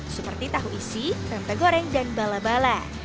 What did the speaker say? seperti tahu isi tempe goreng dan bala bala